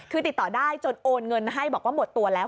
คือติดต่อได้จนโอนเงินให้บอกว่าหมดตัวแล้ว